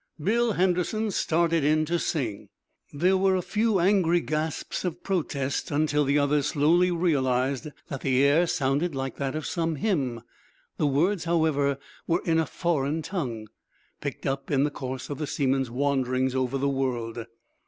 Bill Henderson started in to sing. There were a few angry gasps of protest until the others slowly realized that the air sounded like that of some hymn. The words, however, were in a foreign tongue, picked up in the course of the seaman's wanderings over the world.